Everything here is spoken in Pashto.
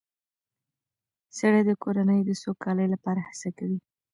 سړی د کورنۍ د سوکالۍ لپاره هڅه کوي